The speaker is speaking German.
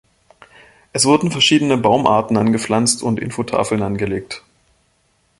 Es wurden verschiedene Baumarten angepflanzt und Infotafeln angelegt.